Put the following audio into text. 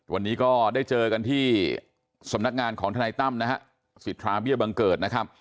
วันนี้ก็ได้เจอกันที่สำนักงานของทนายตั้มนะฮะสิทธาเบี้ยบังเกิดนะครับ